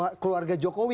ada juga keluarga jokowi